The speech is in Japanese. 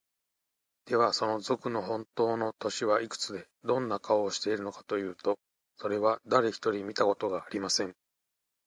では、その賊のほんとうの年はいくつで、どんな顔をしているのかというと、それは、だれひとり見たことがありません。